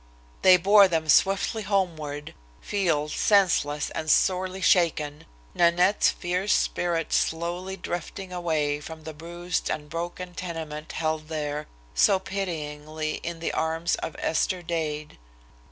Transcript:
They bore them swiftly homeward, Field senseless and sorely shaken, Nanette's fierce spirit slowly drifting away from the bruised and broken tenement held there, so pityingly, in the arms of Esther Dade.